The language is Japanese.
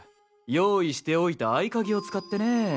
用意しておいた合鍵を使ってね。